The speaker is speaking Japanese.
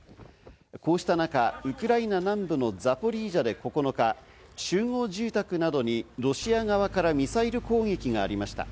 こうした中、ウクライナ南部のザポリージャで９日、集合住宅などにロシア側からミサイル攻撃がありました。